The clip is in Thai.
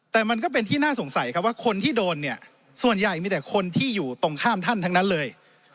แต่มันก็เป็นที่น่าสงสัยครับว่าคนที่โดนเนี่ยส่วนใหญ่มีแต่คนที่อยู่ตรงข้ามท่านทั้งนั้นเลย